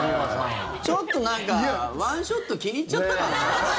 ちょっとなんかワンショット気に入っちゃったかな？